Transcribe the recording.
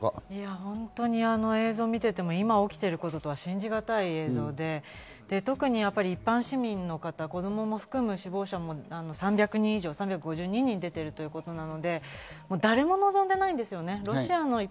愛さん、ここまで聞いていか映像を見ていても、今起きていることとは信じがたい映像で特に一般市民の方、子供を含む死亡者も３５２人でているということなので、誰も望んでないんですよね。